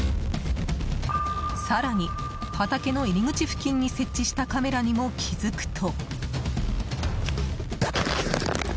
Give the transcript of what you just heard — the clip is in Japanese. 更に、畑の入り口付近に設置したカメラにも気づくと。